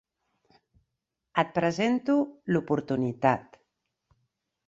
Et presento l'oportunitat.